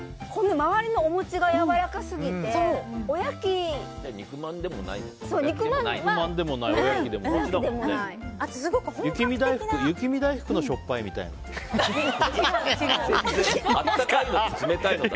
周りのお餅が柔らかすぎてでも肉まんでもないのか。